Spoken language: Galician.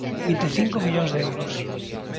Vinte e cinco millóns de euros.